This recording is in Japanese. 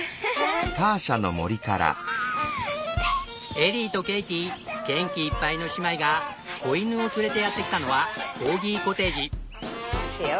エリーとケイティ元気いっぱいの姉妹が子犬を連れてやってきたのはコーギコテージ。